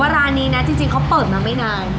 ร้านนี้เปิดมาไม่นาน